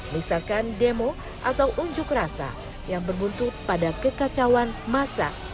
misalkan demo atau unjuk rasa yang berbuntut pada kekacauan masa